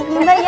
ya mbak ya